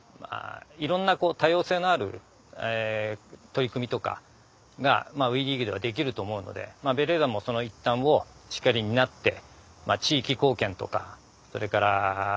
いろんな多様性のある取り組みとかがＷＥリーグではできると思うのでベレーザもその一端をしっかり担って。